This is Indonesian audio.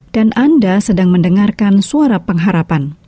dan anda sedang mendengarkan suara pengharapan